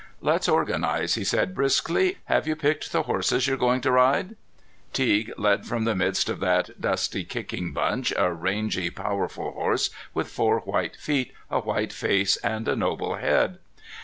"Let's organize," he said, briskly. "Have you picked the horses you're goin' to ride?" Teague led from the midst of that dusty kicking bunch a rangy powerful horse, with four white feet, a white face and a noble head.